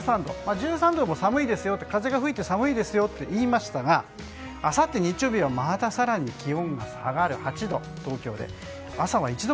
１３度も風が吹いて寒いですよと言いましたが、あさって日曜日はまた更に気温が下がって東京で８度。